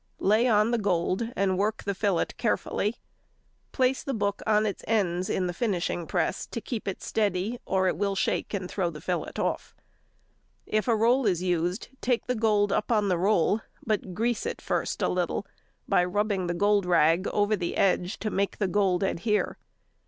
Lay on the gold and work the fillet carefully. Place the book on its ends in the |133| finishing press to keep it steady, or it will shake and throw the fillet off. If a roll is used, take the gold up on the roll, but grease it first a little, by rubbing the gold rag over the edge to make the gold adhere.